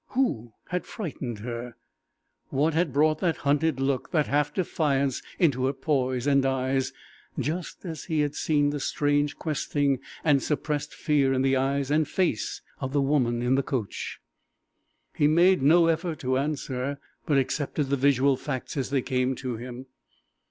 Who had frightened her? What had brought that hunted look that half defiance into her poise and eyes, just as he had seen the strange questing and suppressed fear in the eyes and face of the woman in the coach? He made no effort to answer, but accepted the visual facts as they came to him.